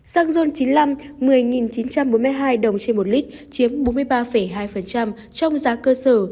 xăng ron chín mươi năm một mươi chín trăm bốn mươi hai đồng trên một lít chiếm bốn mươi ba hai trong giá cơ sở